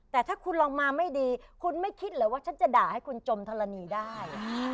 แต่ถ้าคุณลองมาไม่ดีคุณไม่คิดเหรอว่าฉันจะด่าให้คุณจมธรณีได้